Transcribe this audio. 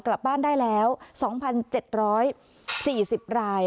กลับบ้านได้แล้ว๒๗๔๐ราย